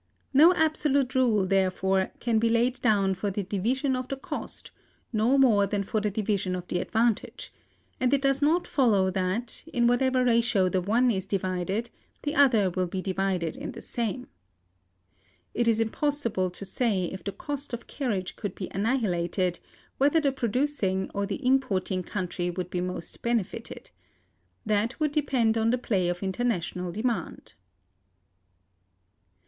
No absolute rule, therefore, can be laid down for the division of the cost, no more than for the division of the advantage; and it does not follow that, in whatever ratio the one is divided, the other will be divided in the same. It is impossible to say, if the cost of carriage could be annihilated, whether the producing or the importing country would be most benefited. This would depend on the play of international demand.